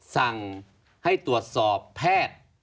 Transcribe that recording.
สั่งให้ตรวจสอบแพทย์